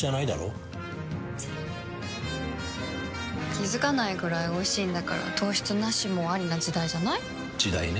気付かないくらいおいしいんだから糖質ナシもアリな時代じゃない？時代ね。